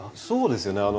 そうですよね。